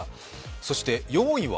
そして４位は？